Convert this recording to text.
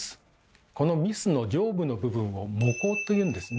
この御簾の上部の部分を「帽額」と言うんですね。